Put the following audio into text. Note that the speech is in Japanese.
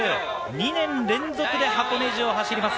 ２年連続で箱根路を走ります。